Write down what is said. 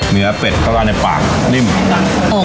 เนื้อเป็ดก็ได้ในปากนิ่มนั่ง